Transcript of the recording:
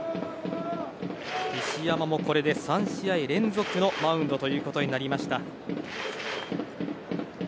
石山もこれで３試合連続のマウンドとなりました。